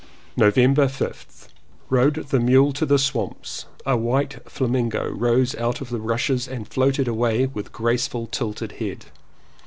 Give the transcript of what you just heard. November 5th. Rode the mule to the swamps. A white flamingo rose out of the rushes and floated away with graceful tilted head.